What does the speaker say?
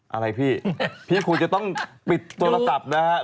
อะไรพี่พี่ควรจะต้องปิดโทรศัพท์นะครับ